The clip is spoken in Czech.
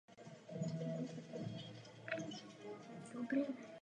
Květy jsou uspořádané v úžlabních nebo téměř vrcholových vrcholících nebo svazečcích.